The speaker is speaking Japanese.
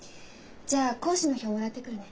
じゃあ講師の表もらってくるね。